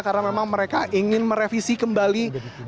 karena memang mereka ingin merevisi kembali